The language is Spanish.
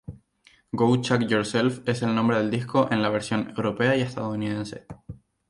Go Chuck Yourself es el nombre del disco en la versión europea y estadounidense.